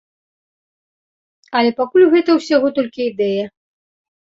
Але пакуль гэта ўсяго толькі ідэя.